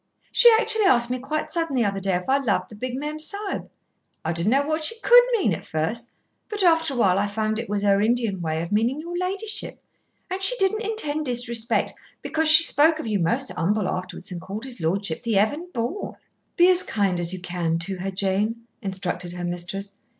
She actually asked me quite sudden the other day if I loved the big Mem Sahib. I didn't know what she could mean at first, but after a while I found out it was her Indian way of meaning your ladyship, and she didn't intend disrespect, because she spoke of you most humble afterwards, and called his lordship the Heaven born." "Be as kind as you can to her, Jane," instructed her mistress.